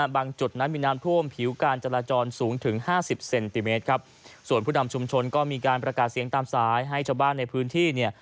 จุดนั้นมีน้ำท่วมผิวการจราจรสูงถึงห้าสิบเซนติเมตรครับส่วนผู้นำชุมชนก็มีการประกาศเสียงตามสายให้ชาวบ้านในพื้นที่เนี่ย